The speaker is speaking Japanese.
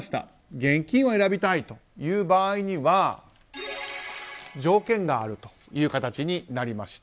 現金を選びたいという場合には条件があるという形になりました。